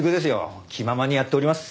気ままにやっております。